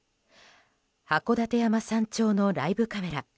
函館山山頂のライブカメラ。